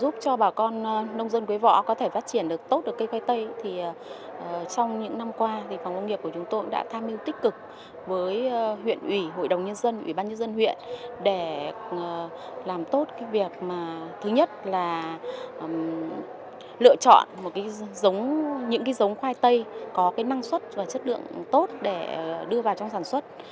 chúng tôi đã tham mưu tích cực với huyện ủy hội đồng nhân dân ủy ban nhân dân huyện để làm tốt việc thứ nhất là lựa chọn những giống khoai tây có năng suất và chất lượng tốt để đưa vào trong sản xuất